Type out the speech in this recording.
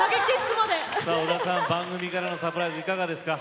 番組からのサプライズいかがですか。